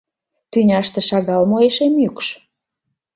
Тӱняште шагал мо эше мӱкш.